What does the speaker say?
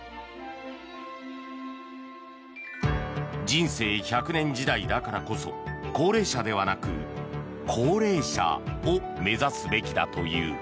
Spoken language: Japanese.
人生１００年時代だからこそ高齢者ではなく幸齢者を目指すべきだという。